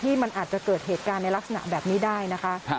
มันอาจจะเกิดเหตุการณ์ในลักษณะแบบนี้ได้นะคะ